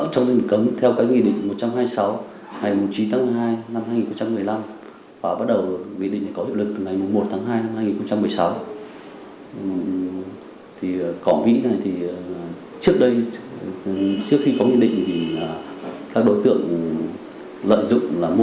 cỏ mỹ chính thức được ở trong rình cấm theo cái nghị định một trăm hai mươi sáu ngày chín tháng một mươi hai năm hai nghìn một mươi năm